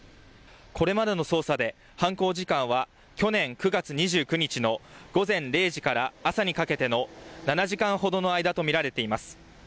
これまでの捜査で犯行時間は去年９月２９日の午前０時から朝にかけての７時間ほどの間と見られています。